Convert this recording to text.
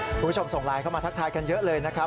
คุณผู้ชมส่งไลน์เข้ามาทักทายกันเยอะเลยนะครับ